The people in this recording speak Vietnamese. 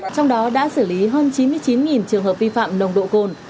trong đó đã xử lý hơn chín mươi chín trường hợp vi phạm nồng độ cồn